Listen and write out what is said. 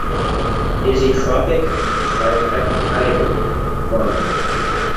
It is a tropic, tripeptidal hormone.